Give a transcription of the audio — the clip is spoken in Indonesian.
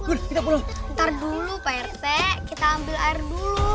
kita ambil air dulu